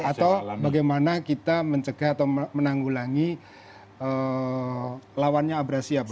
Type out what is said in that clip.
atau bagaimana kita mencegah atau menanggulangi lawannya abrasi apa